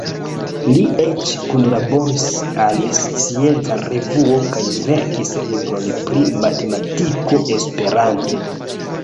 Li eĉ kunlaboris al Scienca Revuo kaj verkis libron pri matematiko esperante.